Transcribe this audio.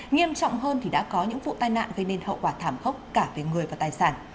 nghiêm trọng hơn thì đã có những vụ tai nạn gây nên hậu quả thảm khốc cả về người và tài sản